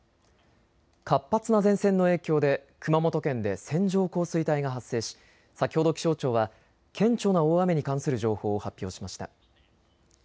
活発な前線の影響で熊本県で線状降水帯が発生し先ほど気象庁は顕著な大雨に関する情報を発表しました。